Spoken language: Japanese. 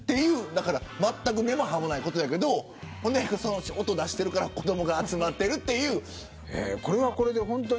まったく根も葉もないことだけど音を出しているから子どもが集まっている。